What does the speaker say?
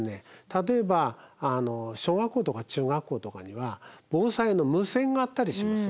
例えば小学校とか中学校とかには防災の無線があったりします。